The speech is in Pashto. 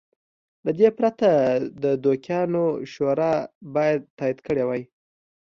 له دې پرته د دوکیانو شورا باید تایید کړی وای.